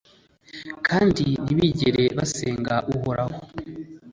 kandi ntibigere basenga Uhoraho